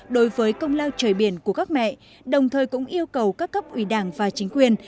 đối với công lao trời biển của các mẹ đồng thời cũng yêu cầu các cấp ủy đảng và chính quyền